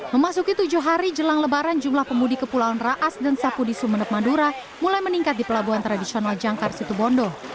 memasuki tujuh hari jelang lebaran jumlah pemudik kepulauan raas dan sapudi sumeneb madura mulai meningkat di pelabuhan tradisional jangkar situbondo